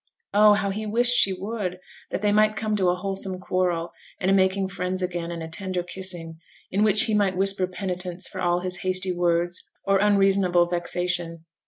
Oh, how he wished she would, that they might come to a wholesome quarrel, and a making friends again, and a tender kissing, in which he might whisper penitence for all his hasty words, or unreasonable vexation.